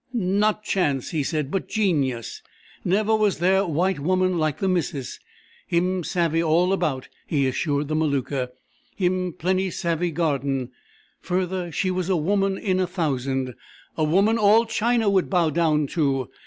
Not chance, he said, but genius! Never was there white woman like the missus! "Him savey all about," he assured the Maluka. "Him plenty savey gardin." Further, she was a woman in a thousand! A woman all China would bow down to!